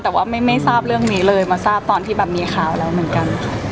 แต่ว่าไม่ทราบเรื่องนี้เลยมาทราบตอนที่แบบมีข่าวแล้วเหมือนกันค่ะ